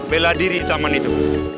bela diri di taman itu